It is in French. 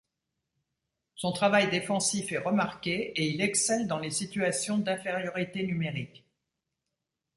Son travail défensif est remarqué et il excelle dans les situations d'infériorité numérique.